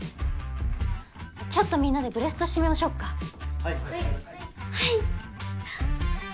ちょっとみんなでブレストしてみましょうかはいはい！